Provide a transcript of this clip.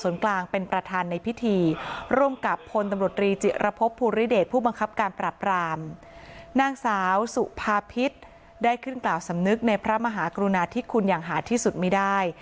นางสาวสุภาพิษได้ขึ้นกล่าวสำนึกในพระมหากรุณาธิคุณอย่างหาที่สุดไม่ได้